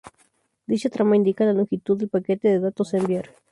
Dicha trama, indica la longitud del paquete de datos a enviar.